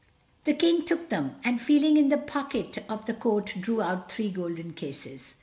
The King took them, and feeling in the pocket of the coat drew out three golden cases.